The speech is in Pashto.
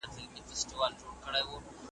غوټۍ مي وسپړلې .